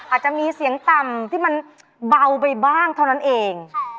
อาจจะมีเสียงต่ำที่มันเบาไปบ้างเท่านั้นเอง